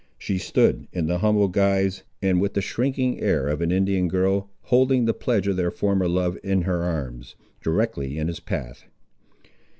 She stood, in the humble guise and with the shrinking air of an Indian girl, holding the pledge of their former love in her arms, directly in his path.